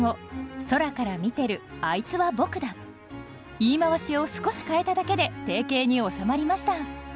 言い回しを少し変えただけで定型に収まりました。